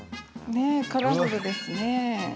カラフルですね。